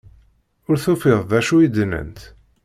Ur tufiḍ d acu i d-nnant.